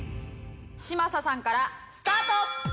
嶋佐さんからスタート！